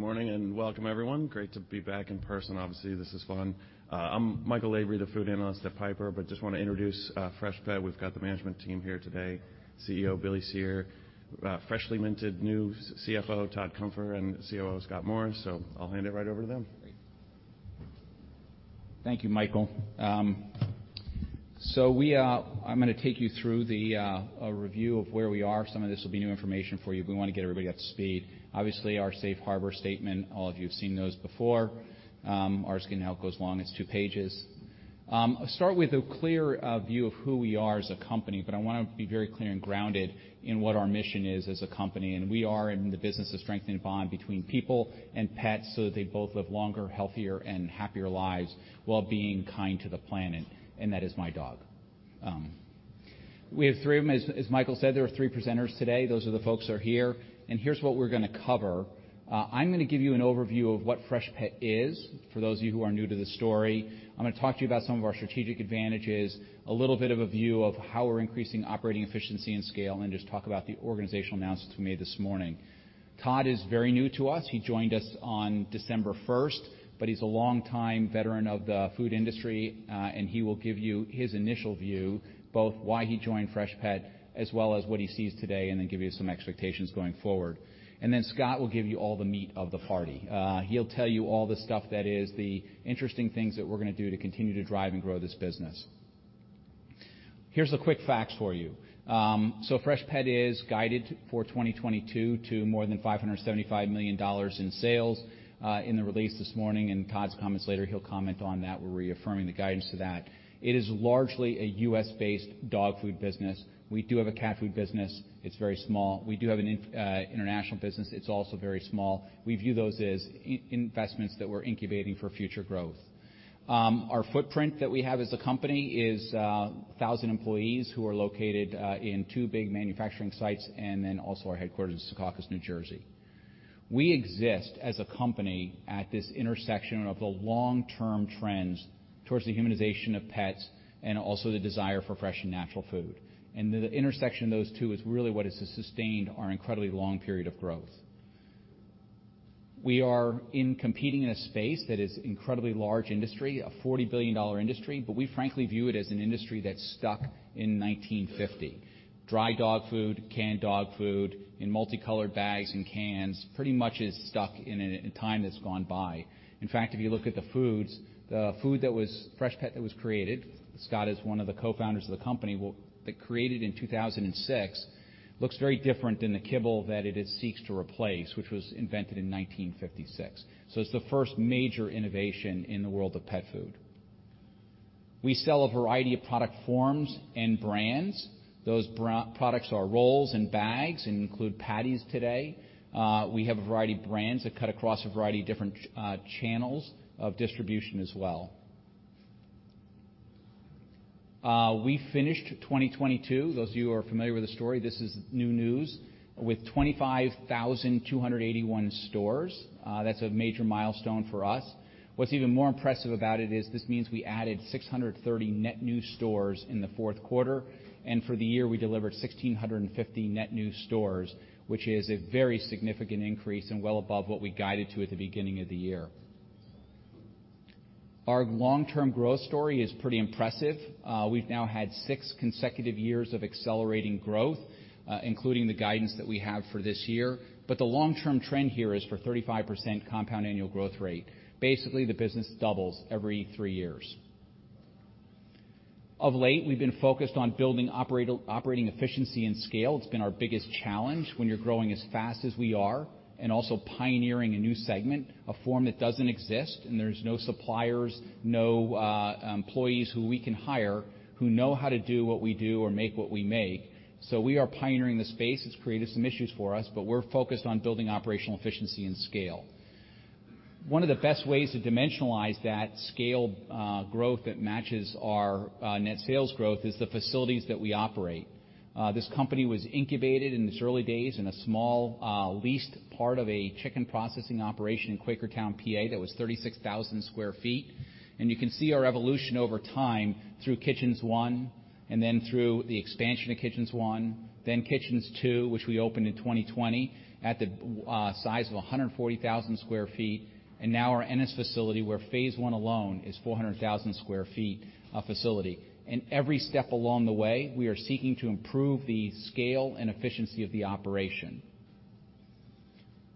Good morning, welcome everyone. Great to be back in person. Obviously, this is fun. I'm Michael Lavery, the food analyst at Piper, just wanna introduce Freshpet. We've got the management team here today, CEO Billy Cyr, freshly minted new CFO Todd Cunfer, and COO Scott Morris. I'll hand it right over to them. Thank you, Michael. I'm gonna take you through the a review of where we are. Some of this will be new information for you, we wanna get everybody up to speed. Obviously, our safe harbor statement, all of you have seen those before. Ours is gonna help goes long, it's two pages. I'll start with a clear view of who we are as a company, I wanna be very clear and grounded in what our mission is as a company. We are in the business of strengthening the bond between people and pets so that they both live longer, healthier, and happier lives while being kind to the planet. That is my dog. We have three of them. As Michael said, there are three presenters today. Those are the folks are here. Here's what we're gonna cover. I'm gonna give you an overview of what Freshpet is, for those of you who are new to the story. I'm gonna talk to you about some of our strategic advantages, a little bit of a view of how we're increasing operating efficiency and scale, and just talk about the organizational announcements we made this morning. Todd is very new to us. He joined us on December first, but he's a long time veteran of the food industry, and he will give you his initial view, both why he joined Freshpet as well as what he sees today, and then give you some expectations going forward. Then Scott will give you all the meat of the party. He'll tell you all the stuff that is the interesting things that we're gonna do to continue to drive and grow this business. Here's the quick facts for you. Freshpet is guided for 2022 to more than $575 million in sales in the release this morning, and Todd's comments later, he'll comment on that. We're reaffirming the guidance to that. It is largely a U.S.-based dog food business. We do have a cat food business. It's very small. We do have an international business. It's also very small. We view those as in-investments that we're incubating for future growth. Our footprint that we have as a company is 1,000 employees who are located in two big manufacturing sites, and then also our headquarters in Secaucus, New Jersey. We exist as a company at this intersection of the long-term trends towards the humanization of pets and also the desire for fresh and natural food. The intersection of those two is really what has sustained our incredibly long period of growth. We are competing in a space that is incredibly large industry, a $40 billion industry, but we frankly view it as an industry that's stuck in 1950. Dry dog food, canned dog food, in multicolored bags and cans, pretty much is stuck in a time that's gone by. In fact, if you look at the food that was Freshpet that was created, Scott is one of the co-founders of the company, well, that created in 2006, looks very different than the kibble that it seeks to replace, which was invented in 1956. It's the first major innovation in the world of pet food. We sell a variety of product forms and brands. Those products are rolls and bags and include patties today. We have a variety of brands that cut across a variety of different channels of distribution as well. We finished 2022, those of you who are familiar with the story, this is new news, with 25,281 stores. That's a major milestone for us. What's even more impressive about it is this means we added 630 net new stores in the fourth quarter, and for the year, we delivered 1,650 net new stores, which is a very significant increase and well above what we guided to at the beginning of the year. Our long-term growth story is pretty impressive. We've now had six consecutive years of accelerating growth, including the guidance that we have for this year. The long-term trend here is for 35% compound annual growth rate. Basically, the business doubles every three years. Of late, we've been focused on building operating efficiency and scale. It's been our biggest challenge when you're growing as fast as we are and also pioneering a new segment, a form that doesn't exist, and there's no suppliers, no employees who we can hire who know how to do what we do or make what we make. We are pioneering the space. It's created some issues for us, we're focused on building operational efficiency and scale. One of the best ways to dimensionalize that scale growth that matches our net sales growth is the facilities that we operate. This company was incubated in its early days in a small, leased part of a chicken processing operation in Quakertown, PA, that was 36,000 sq ft. You can see our evolution over time through Kitchens One and then through the expansion of Kitchens 1.0, then Kitchens 2.0, which we opened in 2020 at the size of 140,000 sq ft, and now our Ennis facility, where phase I alone is 400,000 sq ft of facility. Every step along the way, we are seeking to improve the scale and efficiency of the operation.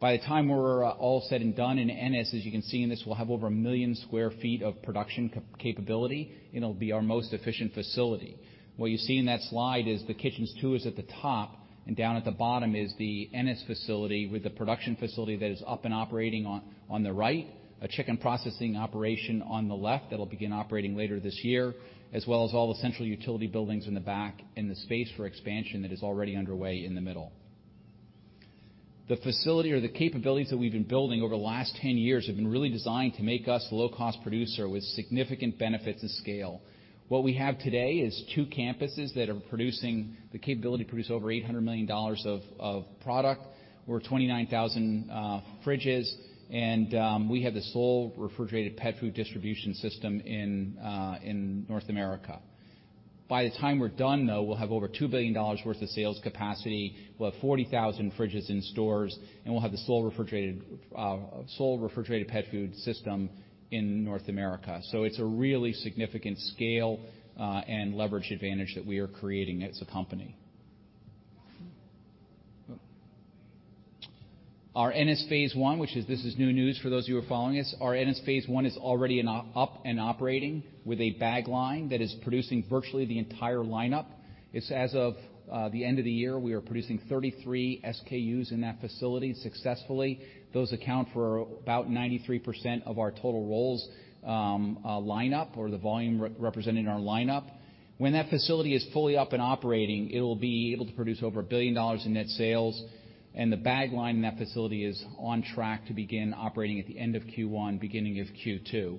By the time we're all said and done in Ennis, as you can see in this, we'll have over 1 million sq ft of production capability. It'll be our most efficient facility. What you see in that slide is the Kitchens 2.0 Is at the top, down at the bottom is the Ennis facility with the production facility that is up and operating on the right, a chicken processing operation on the left that'll begin operating later this year, as well as all the central utility buildings in the back and the space for expansion that is already underway in the middle. The facility or the capabilities that we've been building over the last 10 years have been really designed to make us a low-cost producer with significant benefits of scale. What we have today is two campuses that are producing the capability to produce over $800 million of product or 29,000 fridges. We have the sole refrigerated pet food distribution system in North America. By the time we're done, though, we'll have over $2 billion worth of sales capacity, we'll have 40,000 fridges in stores, and we'll have the sole refrigerated pet food system in North America. It's a really significant scale and leverage advantage that we are creating as a company. Our Ennis phase I, this is new news for those of you who are following us. Our Ennis phase I is already up and operating with a bag line that is producing virtually the entire lineup. It's as of the end of the year, we are producing 33 SKUs in that facility successfully. Those account for about 93% of our total rolls lineup or the volume re-representing our lineup. When that facility is fully up and operating, it'll be able to produce over $1 billion in net sales. The bag line in that facility is on track to begin operating at the end of Q1, beginning of Q2.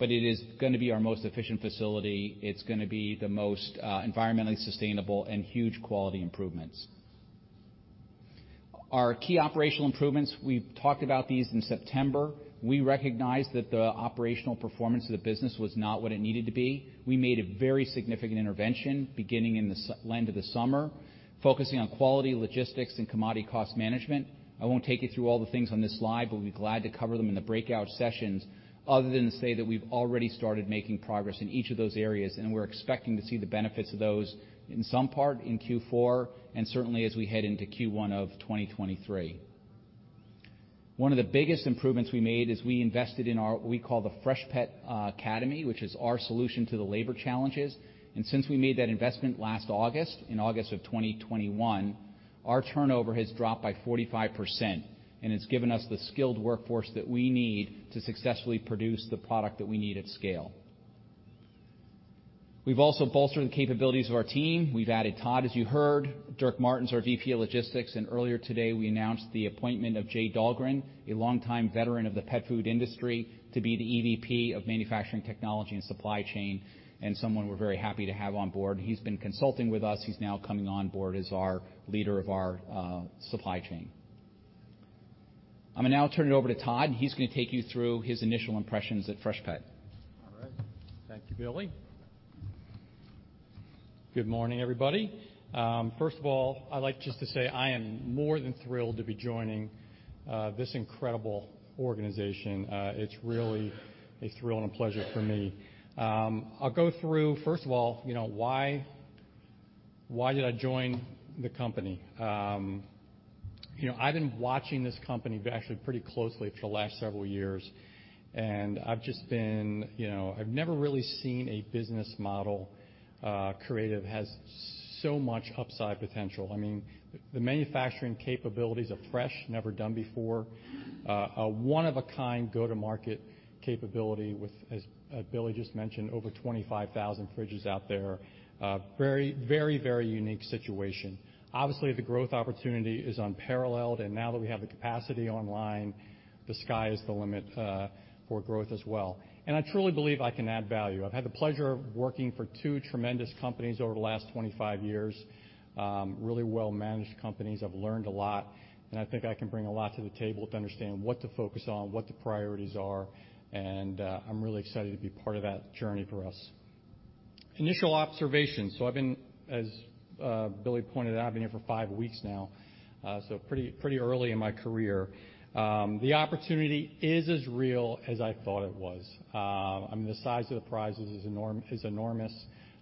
It is gonna be our most efficient facility. It's gonna be the most environmentally sustainable and huge quality improvements. Our key operational improvements, we've talked about these in September. We recognize that the operational performance of the business was not what it needed to be. We made a very significant intervention beginning in the end of the summer, focusing on quality, logistics, and commodity cost management. I won't take you through all the things on this slide, but we'll be glad to cover them in the breakout sessions other than to say that we've already started making progress in each of those areas, and we're expecting to see the benefits of those in some part in Q4 and certainly as we head into Q1 of 2023. One of the biggest improvements we made is we invested in our, what we call the Freshpet Academy, which is our solution to the labor challenges. Since we made that investment last August, in August of 2021, our turnover has dropped by 45% and has given us the skilled workforce that we need to successfully produce the product that we need at scale. We've also bolstered the capabilities of our team. We've added Todd, as you heard, Dirk Martin, our VP of Logistics, and earlier today, we announced the appointment of Jay Dahlgren, a longtime veteran of the pet food industry, to be the EVP of Manufacturing, Technology, and Supply Chain, and someone we're very happy to have on board. He's been consulting with us. He's now coming on board as our leader of our supply chain. I'm gonna now turn it over to Todd. He's gonna take you through his initial impressions at Freshpet. All right. Thank you, Billy. Good morning, everybody. First of all, I'd like just to say I am more than thrilled to be joining this incredible organization. It's really a thrill and a pleasure for me. I'll go through, first of all, you know, why did I join the company? You know, I've been watching this company actually pretty closely for the last several years, and I've just been, you know, I've never really seen a business model, creative, has so much upside potential. I mean, the manufacturing capabilities of Fresh, never done before. A one of a kind go-to-market capability with, as Billy just mentioned, over 25,000 fridges out there. Very unique situation. Obviously, the growth opportunity is unparalleled, now that we have the capacity online, the sky is the limit for growth as well. I truly believe I can add value. I've had the pleasure of working for two tremendous companies over the last 25 years, really well-managed companies. I've learned a lot, and I think I can bring a lot to the table to understand what to focus on, what the priorities are, and I'm really excited to be part of that journey for us. Initial observations. I've been, as Billy pointed out, I've been here for five weeks now, so pretty early in my career. The opportunity is as real as I thought it was. I mean, the size of the prize is enormous.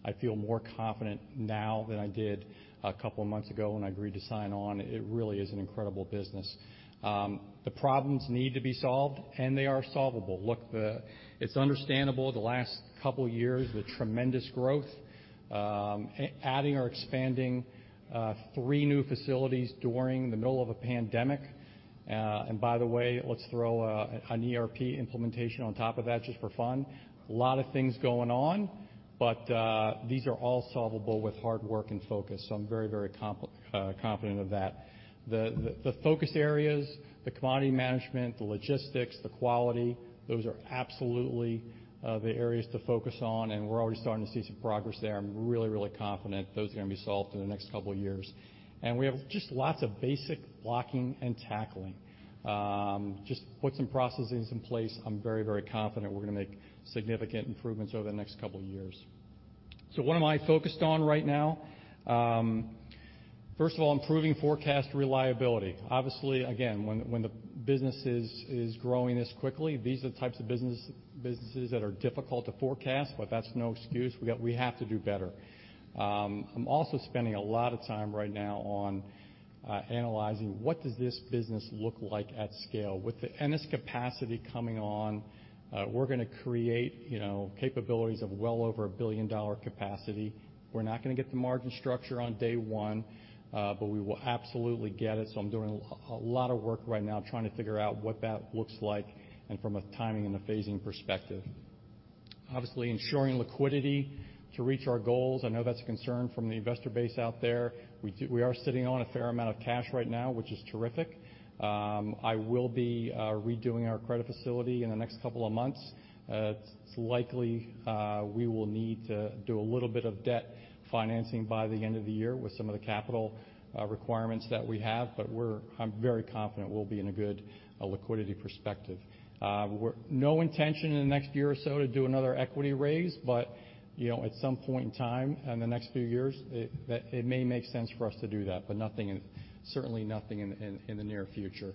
I feel more confident now than I did a couple months ago when I agreed to sign on. It really is an incredible business. The problems need to be solved, and they are solvable. Look, it's understandable the last couple years, the tremendous growth, adding or expanding three new facilities during the middle of a pandemic. By the way, let's throw an ERP implementation on top of that just for fun. These are all solvable with hard work and focus, so I'm very, very confident of that. The focus areas, the commodity management, the logistics, the quality, those are absolutely the areas to focus on, and we're already starting to see some progress there. I'm really, really confident those are gonna be solved in the next couple years. We have just lots of basic blocking and tackling. Just put some processes in place. I'm very, very confident we're gonna make significant improvements over the next couple years. What am I focused on right now? First of all, improving forecast reliability. Obviously, again, when the business is growing this quickly, these are the types of businesses that are difficult to forecast, but that's no excuse. We have to do better. I'm also spending a lot of time right now on analyzing what does this business look like at scale. With the Ennis capacity coming on, we're gonna create, you know, capabilities of well over a billion-dollar capacity. We're not gonna get the margin structure on day one. We will absolutely get it. I'm doing a lot of work right now trying to figure out what that looks like and from a timing and a phasing perspective. Obviously ensuring liquidity to reach our goals, I know that's a concern from the investor base out there. We are sitting on a fair amount of cash right now, which is terrific. I will be redoing our credit facility in the next couple of months. It's likely we will need to do a little bit of debt financing by the end of the year with some of the capital requirements that we have. I'm very confident we'll be in a good liquidity perspective. We're no intention in the next year or so to do another equity raise. You know, at some point in time in the next few years, it may make sense for us to do that. Nothing in, certainly nothing in the near future.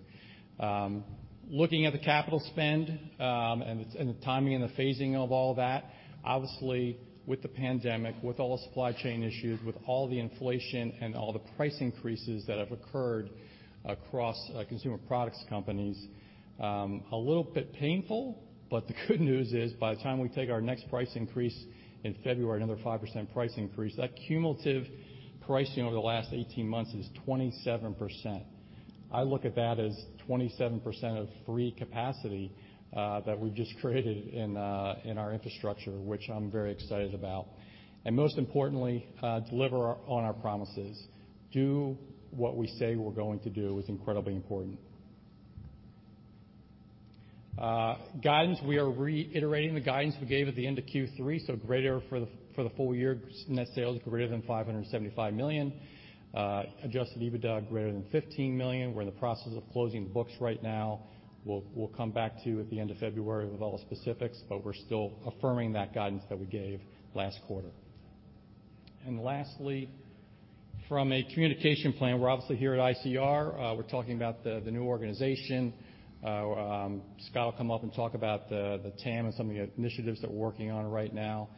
Looking at the capital spend, and the timing and the phasing of all that, obviously with the pandemic, with all the supply chain issues, with all the inflation and all the price increases that have occurred across consumer products companies, a little bit painful, but the good news is by the time we take our next price increase in February, another 5% price increase, that cumulative pricing over the last 18 months is 27%. I look at that as 27% of free capacity that we've just created in our infrastructure, which I'm very excited about. Most importantly, deliver on our promises. Do what we say we're going to do is incredibly important. Guidance, we are reiterating the guidance we gave at the end of Q3, for the full year net sales, greater than $575 million. Adjusted EBITDA greater than $15 million. We're in the process of closing the books right now. We'll come back to you at the end of February with all the specifics, we're still affirming that guidance that we gave last quarter. Lastly, from a communication plan, we're obviously here at ICR. We're talking about the new organization. Scott will come up and talk about the TAM and some of the initiatives that we're working on right now.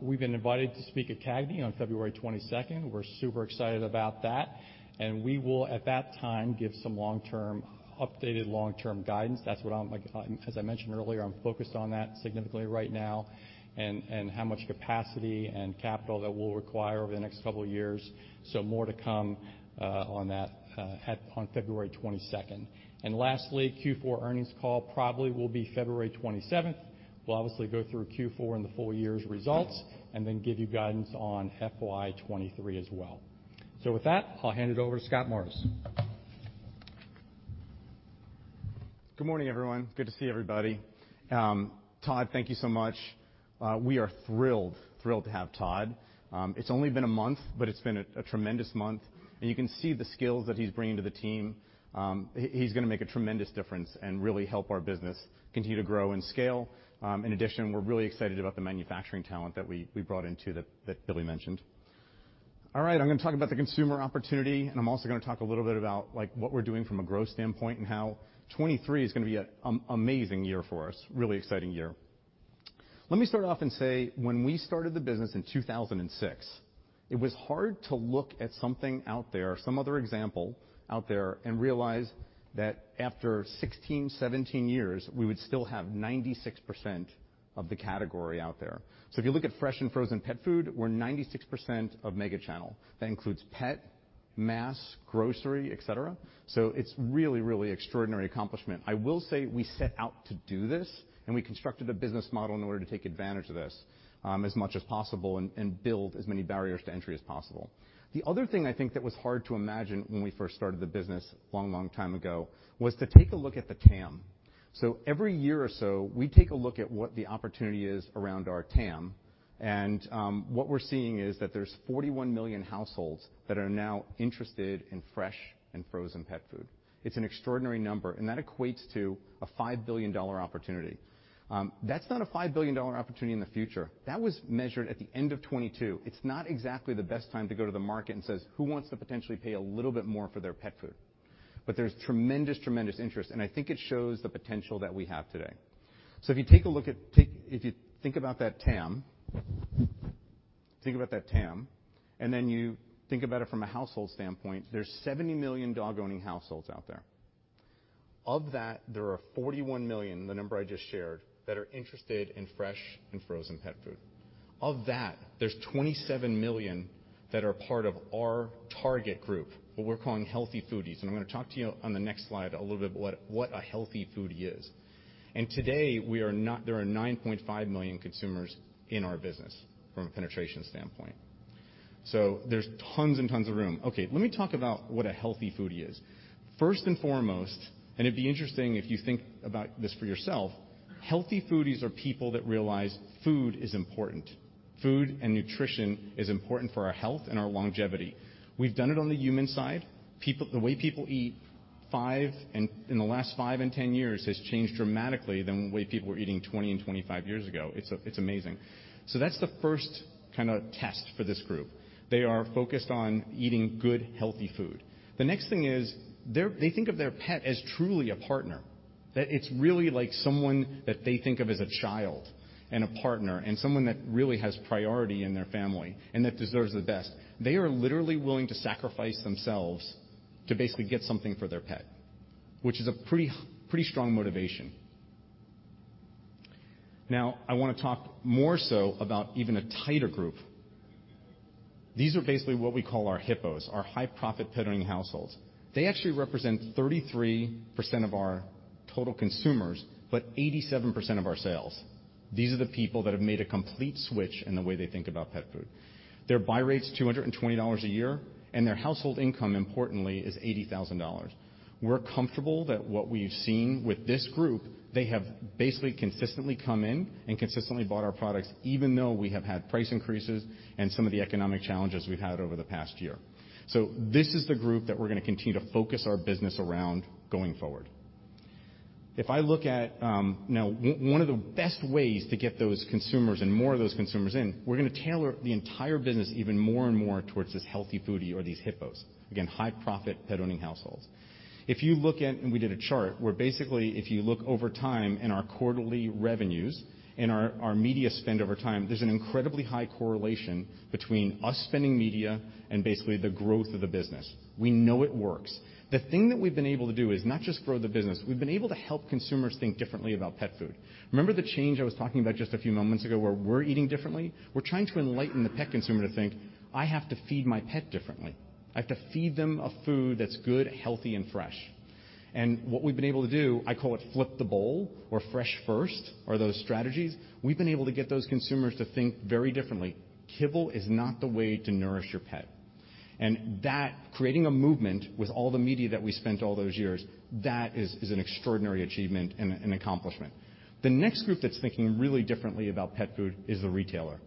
We've been invited to speak at CAGNY on February 22nd. We're super excited about that. We will, at that time, give some updated long-term guidance. That's what I'm, like, as I mentioned earlier, focused on that significantly right now, and how much capacity and capital that we'll require over the next couple of years. More to come on that on February 22nd. Lastly, Q4 earnings call probably will be February 27th. We'll obviously go through Q4 and the full year's results and then give you guidance on FY23 as well. With that, I'll hand it over to Scott Morris. Good morning, everyone. Good to see everybody. Todd, thank you so much. We are thrilled to have Todd. It's only been a month, but it's been a tremendous month, and you can see the skills that he's bringing to the team. He's gonna make a tremendous difference and really help our business continue to grow and scale. In addition, we're really excited about the manufacturing talent that we brought into that Billy mentioned. All right, I'm gonna talk about the consumer opportunity, and I'm also gonna talk a little bit about, like, what we're doing from a growth standpoint and how 2023 is gonna be an amazing year for us, really exciting year. Let me start off and say, when we started the business in 2006, it was hard to look at something out there, some other example out there, realize that after 16, 17 years, we would still have 96% of the category out there. If you look at fresh and frozen pet food, we're 96% of mega channel. That includes pet, mass, grocery, et cetera. It's really extraordinary accomplishment. I will say, we set out to do this, and we constructed a business model in order to take advantage of this as much as possible and build as many barriers to entry as possible. The other thing I think that was hard to imagine when we first started the business a long, long time ago was to take a look at the TAM. Every year or so, we take a look at what the opportunity is around our TAM, and what we're seeing is that there's 41 million households that are now interested in fresh and frozen pet food. It's an extraordinary number, and that equates to a $5 billion opportunity. That's not a $5 billion opportunity in the future. That was measured at the end of 2022. It's not exactly the best time to go to the market and says, "Who wants to potentially pay a little bit more for their pet food?" There's tremendous interest, and I think it shows the potential that we have today. If you think about that TAM, and then you think about it from a household standpoint, there's 70 million dog-owning households out there. Of that, there are $41 million, the number I just shared, that are interested in fresh and frozen pet food. Of that, there's $27 million that are part of our target group, what we're calling Healthy Foodies. I'm gonna talk to you on the next slide a little bit what a Healthy Foodie is. Today, there are $9.5 million consumers in our business from a penetration standpoint. There's tons and tons of room. Okay, let me talk about what a Healthy Foodie is. First and foremost, it'd be interesting if you think about this for yourself, Healthy Foodies are people that realize food is important. Food and nutrition is important for our health and our longevity. We've done it on the human side. The way people eat five...in the last five and 10 years has changed dramatically than the way people were eating 20 and 25 years ago. It's amazing. That's the first kinda test for this group. They are focused on eating good, healthy food. The next thing is they think of their pet as truly a partner. That it's really like someone that they think of as a child and a partner and someone that really has priority in their family and that deserves the best. They are literally willing to sacrifice themselves to basically get something for their pet, which is a pretty strong motivation. I wanna talk more so about even a tighter group. These are basically what we call our HIPPOs, our high-profit pet-owning households. They actually represent 33% of our total consumers, but 87% of our sales. These are the people that have made a complete switch in the way they think about pet food. Their buy rate's $220 a year, and their household income, importantly, is $80,000. We're comfortable that what we've seen with this group, they have basically consistently come in and consistently bought our products, even though we have had price increases and some of the economic challenges we've had over the past year. This is the group that we're gonna continue to focus our business around going forward. If I look at, now, one of the best ways to get those consumers and more of those consumers in, we're gonna tailor the entire business even more and more towards this Healthy Foodie or these HIPPOs. Again, high-profit pet-owning households. If you look at. We did a chart where basically, if you look over time in our quarterly revenues and our media spend over time, there's an incredibly high correlation between us spending media and basically the growth of the business. We know it works. The thing that we've been able to do is not just grow the business. We've been able to help consumers think differently about pet food. Remember the change I was talking about just a few moments ago where we're eating differently? We're trying to enlighten the pet consumer to think, "I have to feed my pet differently. I have to feed them a food that's good, healthy, and fresh." What we've been able to do, I call it Flip the Bowl or Fresh First, are those strategies. We've been able to get those consumers to think very differently. Kibble is not the way to nourish your pet. That, creating a movement with all the media that we spent all those years, is an extraordinary achievement and an accomplishment. The next group that's thinking really differently about pet food is the retailer.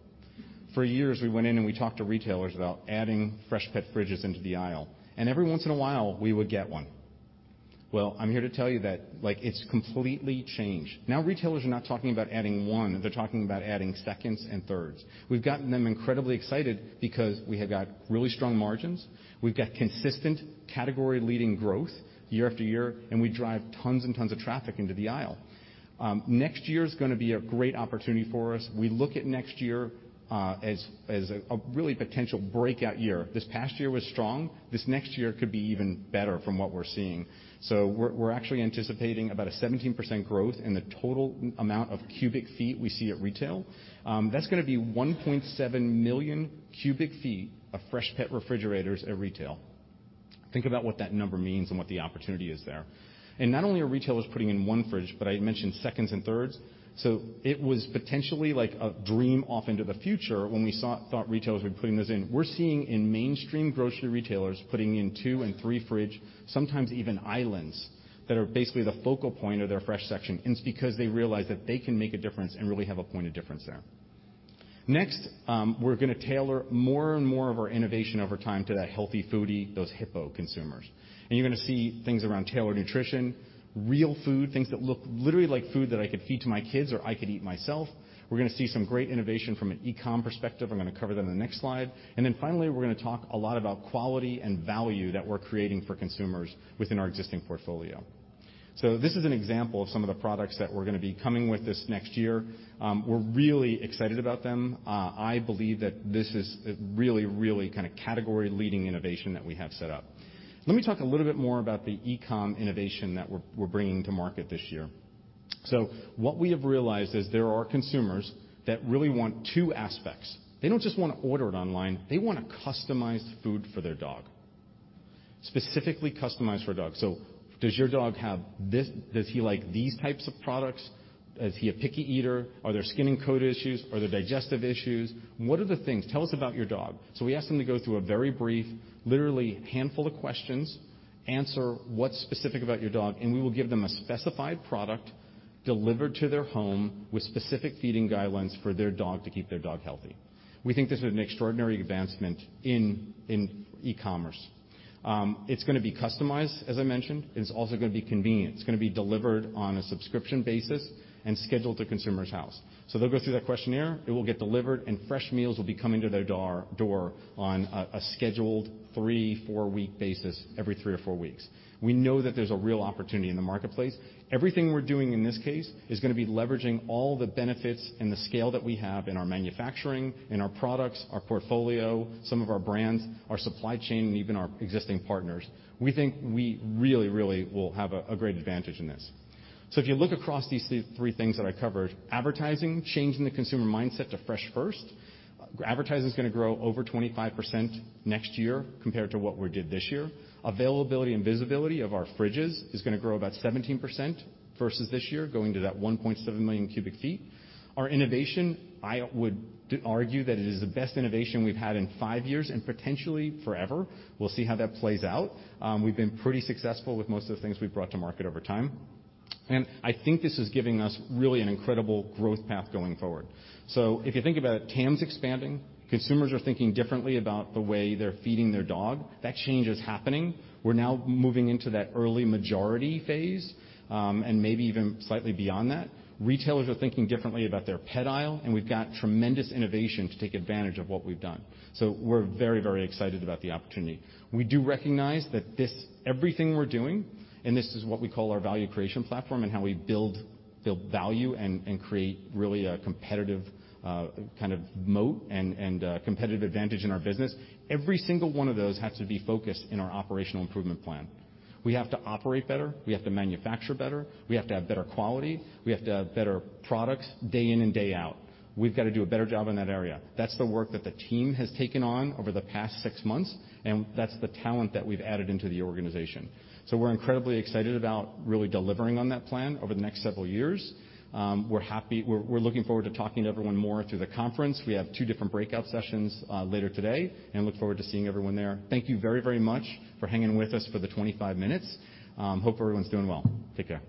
For years, we went in and we talked to retailers about adding Freshpet fridges into the aisle, and every once in a while, we would get one. Well, I'm here to tell you that, like, it's completely changed. Now, retailers are not talking about adding one, they're talking about adding seconds and thirds. We've gotten them incredibly excited because we have got really strong margins. We've got consistent category-leading growth year after year, we drive tons and tons of traffic into the aisle. Next year's gonna be a great opportunity for us. We look at next year, as a really potential breakout year. This past year was strong. This next year could be even better from what we're seeing. We're actually anticipating about a 17% growth in the total amount of cubic feet we see at retail. That's gonna be 1.7 million cu ft of Freshpet refrigerators at retail. Think about what that number means and what the opportunity is there. Not only are retailers putting in one fridge, but I mentioned seconds and thirds. It was potentially like a dream off into the future when we thought retailers were putting this in. We're seeing in mainstream grocery retailers putting in two and three fridge, sometimes even islands, that are basically the focal point of their fresh section. It's because they realize that they can make a difference and really have a point of difference there. Next, we're gonna tailor more and more of our innovation over time to that Healthy Foodie, those HIPPO consumers. You're gonna see things around tailored nutrition, real food, things that look literally like food that I could feed to my kids or I could eat myself. We're gonna see some great innovation from an e-com perspective. I'm gonna cover that in the next slide. Finally, we're gonna talk a lot about quality and value that we're creating for consumers within our existing portfolio. This is an example of some of the products that we're gonna be coming with this next year. We're really excited about them. I believe that this is really kind of category-leading innovation that we have set up. Let me talk a little bit more about the e-com innovation that we're bringing to market this year. What we have realized is there are consumers that really want two aspects. They don't just wanna order it online, they want to customize food for their dog, specifically customized for a dog. Does your dog have this? Does he like these types of products? Is he a picky eater? Are there skin and coat issues? Are there digestive issues? What are the things? Tell us about your dog. We ask them to go through a very brief, literally handful of questions, answer what's specific about your dog, and we will give them a specified product delivered to their home with specific feeding guidelines for their dog to keep their dog healthy. We think this is an extraordinary advancement in e-commerce. It's gonna be customized, as I mentioned, and it's also gonna be convenient. It's gonna be delivered on a subscription basis and scheduled to consumer's house. They'll go through that questionnaire, it will get delivered, and fresh meals will be coming to their door on a scheduled three, four-week basis every three or four weeks. We know that there's a real opportunity in the marketplace. Everything we're doing in this case is gonna be leveraging all the benefits and the scale that we have in our manufacturing, in our products, our portfolio, some of our brands, our supply chain, and even our existing partners. We think we really will have a great advantage in this. If you look across these three things that I covered, advertising, changing the consumer mindset to Fresh First, advertising's gonna grow over 25% next year compared to what we did this year. Availability and visibility of our fridges is gonna grow about 17% versus this year, going to that 1.7 million cu ft. Our innovation, I would argue that it is the best innovation we've had in five years and potentially forever. We'll see how that plays out. We've been pretty successful with most of the things we've brought to market over time. I think this is giving us really an incredible growth path going forward. If you think about it, TAM's expanding. Consumers are thinking differently about the way they're feeding their dog. That change is happening. We're now moving into that early majority phase, and maybe even slightly beyond that. Retailers are thinking differently about their pet aisle, and we've got tremendous innovation to take advantage of what we've done. We're very, very excited about the opportunity. We do recognize that everything we're doing, and this is what we call our value creation platform and how we build value and create really a competitive kind of moat and competitive advantage in our business. Every single one of those has to be focused in our operational improvement plan. We have to operate better. We have to manufacture better. We have to have better quality. We have to have better products day in and day out. We've gotta do a better job in that area. That's the work that the team has taken on over the past six months, and that's the talent that we've added into the organization. We're incredibly excited about really delivering on that plan over the next several years. We're looking forward to talking to everyone more through the conference. We have two different breakout sessions later today and look forward to seeing everyone there. Thank you very, very much for hanging with us for the 25 minutes. Hope everyone's doing well. Take care.